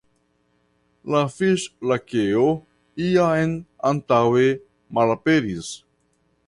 La Fiŝ-Lakeo jam antaŭe malaperis.